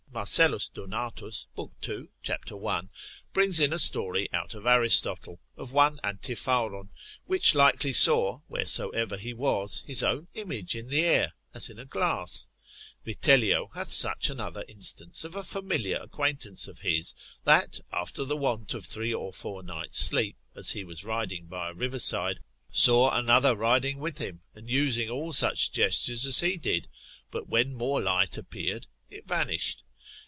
Marcellus Donatus, lib. 2. cap. 1. brings in a story out of Aristotle, of one Antepharon which likely saw, wheresoever he was, his own image in the air, as in a glass. Vitellio, lib. 10. perspect. hath such another instance of a familiar acquaintance of his, that after the want of three or four nights sleep, as he was riding by a river side, saw another riding with him, and using all such gestures as he did, but when more light appeared, it vanished.